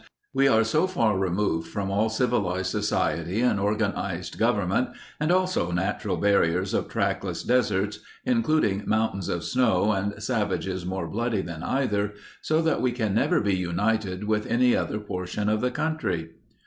We are so far removed from all civilized society and organized government and also natural barriers of trackless deserts, including mountains of snow and savages more bloody than either, so that we can never be united with any other portion of the country."